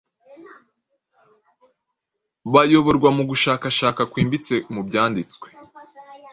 bayoborwa mu gushakashaka kwimbitse mu Byanditswe.